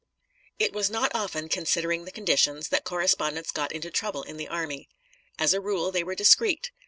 It was not often, considering the conditions, that correspondents got into trouble in the army. As a rule, they were discreet.